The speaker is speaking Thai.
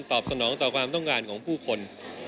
สนองต่อความต้องการของผู้คน